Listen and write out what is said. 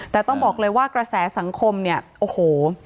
แต่ต้องบอกเลยว่ากระแสสังคมเนี่ยโอ้โห